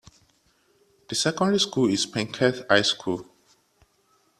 The secondary school is Penketh High School.